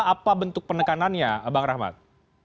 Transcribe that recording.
apa bentuk penekanannya bang rahmat